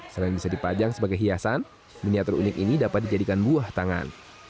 selain bisa dipajang sebagai hiasan miniatur unik ini dapat dijadikan buah tangan